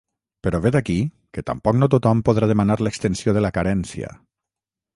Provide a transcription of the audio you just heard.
Però vet aquí que tampoc no tothom podrà demanar l’extensió de la carència.